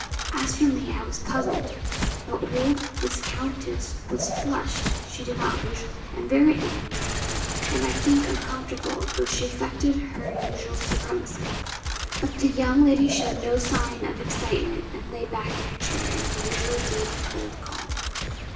As for me, I was puzzled. The old viscountess was flushed (she did not rouge), and very angry, and, I think, uncomfortable, though she affected her usual supremacy. But the young lady showed no sign of excitement, and lay back in her chair in her usual deep, cold calm.